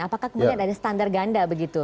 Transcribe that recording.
apakah kemudian ada standar ganda begitu